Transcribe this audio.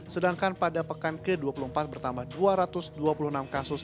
sedangkan pada pekan ke dua puluh empat bertambah dua ratus dua puluh enam kasus